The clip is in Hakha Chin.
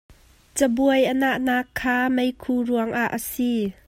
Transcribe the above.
Cabuai a nahnak kha meikhu ruangah a si.